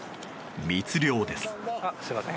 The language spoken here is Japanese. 密漁です。